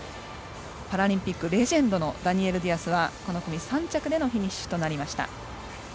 パラリンピックレジェンドのダニエル・ディアスはこの組３着でのフィニッシュでした。